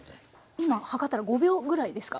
今計ったら５秒ぐらいですか。